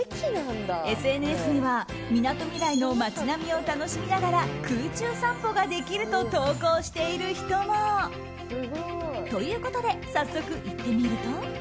ＳＮＳにはみなとみらいの街並みを楽しみながら空中散歩ができると投稿している人も。ということで早速、行ってみると。